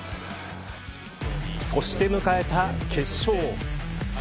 そして迎えた決勝。